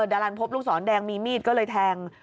ดารันพบลูกศรแดงมีมีดก็เลยแทง